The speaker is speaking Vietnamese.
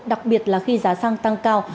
đặc biệt là khi giá xăng tăng cao